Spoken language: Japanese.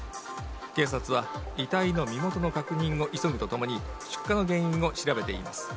警察は遺体の身元の確認を急ぐとともに出火の原因を調べています